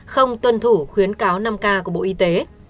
không tuân thủ khuyến cáo năm k của bộ y tế